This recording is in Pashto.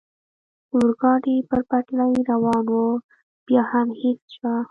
د اورګاډي پر پټلۍ روان و، بیا هم هېڅ چا.